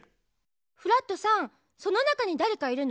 フラットさんその中にだれかいるの？